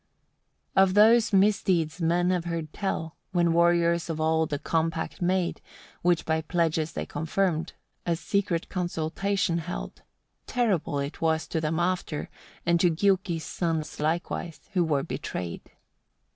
1. Of those misdeeds men have heard tell, when warriors of old a compact made, which by pledges they confirmed, a secret consultation held: terrible it was to them after, and to Giuki's sons likewise, who were betrayed.